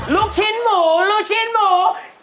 ลูกชิ้นหมูลูกชิ้นหมู